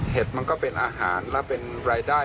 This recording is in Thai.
มันก็เป็นอาหารและเป็นรายได้